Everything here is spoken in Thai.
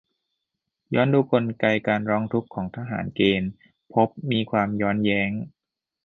ย้อนดูกลไกการร้องทุกข์ของทหารเกณฑ์ พบมีความย้อนแย้ง